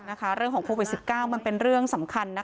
เรื่องของโควิด๑๙มันเป็นเรื่องสำคัญนะคะ